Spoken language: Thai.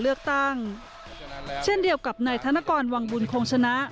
เลือกตั้งเช่นเดียวกับนายธนกรวังบุญคงชนะ